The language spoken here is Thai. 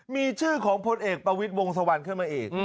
มีชื่อของพลเอกประวิศวงศ์สวรรค์เข้ามาเอก